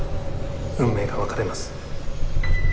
運命が分かれます。